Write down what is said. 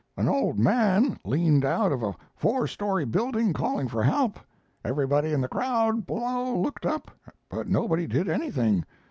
An old man leaned out of a four story building calling for help. Everybody in the crowd below looked up, but nobody did anything.